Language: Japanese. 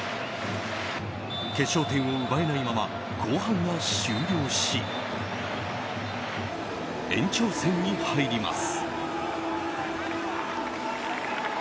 決勝点を奪えないまま後半が終了し、延長戦に入ります。